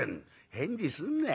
「返事すんな。